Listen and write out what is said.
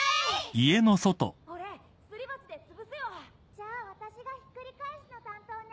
・じゃあ私がひっくり返すの担当ね。